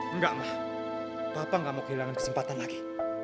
enggak mah papa gak mau kehilangan kesempatan lagi